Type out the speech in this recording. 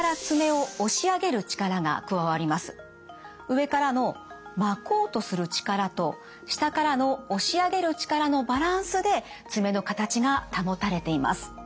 上からの巻こうとする力と下からの押し上げる力のバランスで爪の形が保たれています。